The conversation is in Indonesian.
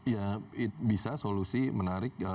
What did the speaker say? ya bisa solusi menarik